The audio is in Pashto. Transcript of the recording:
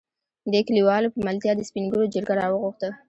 دې کليوالو په ملتيا د سپين ږېرو جرګه راوغښته.